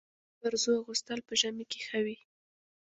برزو اغوستل په ژمي کي ښه وي.